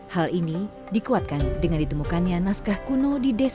hal ini dikuatkan dengan ditemukannya naskah kuno didalamnya